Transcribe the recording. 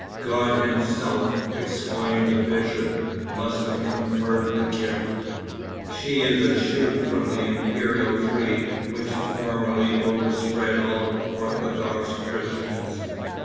"God himself," exclaimed a bishop, "must have conferred the gift. She is a shoot from an imperial tree which formerly overspread all orthodox Christians.